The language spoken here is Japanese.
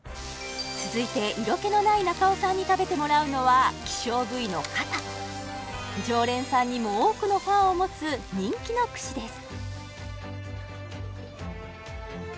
続いて色気のない中尾さんに食べてもらうのは希少部位の肩常連さんにも多くのファンを持つ人気の串です